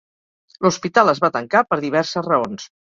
L'hospital es va tancar per diverses raons.